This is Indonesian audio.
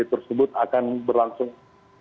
tersebut akan berlangsung